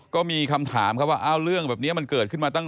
ก็มีคำถามครับว่าเรื่องแบบนี้มันเกิดขึ้นมาตั้ง